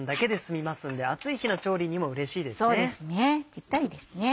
ピッタリですね。